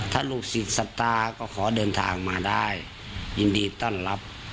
ถ้าลูกศิษย์ศรัทธาก็ขอเดินทางมาได้ยินดีต้อนรับ